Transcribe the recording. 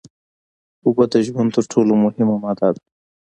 اوبه د ژوند تر ټول مهمه ماده ده